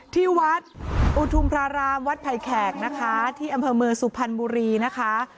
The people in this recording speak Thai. ที่วัดอุทุมพระรามวัดไผ่แขกนะคะที่อำเภอเมืองสุพรรณบุรีนะคะ